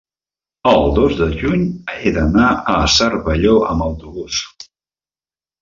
el dos de juny he d'anar a Cervelló amb autobús.